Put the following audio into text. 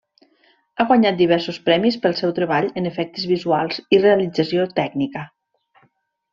Ha guanyat diversos premis pel seu treball en efectes visuals i realització tècnica.